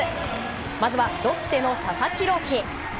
まずはロッテの佐々木朗希。